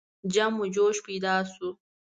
جم و جوش پیدا شو.